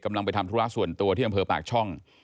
กำลังไปทำธุระส่วนตัวที่อำเภอปากช่อง